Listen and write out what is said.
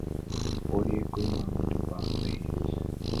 اور یہ کوئی معمولی بات نہیں۔